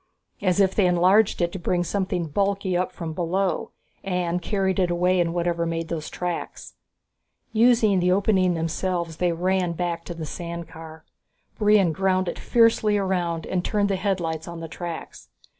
"As if they had enlarged it to bring something bulky up from below and carried it away in whatever made those tracks!" Using the opening themselves, they ran back to the sand car. Brion ground it fiercely around and turned the headlights on the tracks.